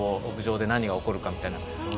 「屋上で何が起こるか」みたいな。